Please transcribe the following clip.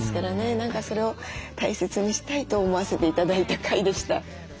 何かそれを大切にしたいと思わせて頂いた回でした。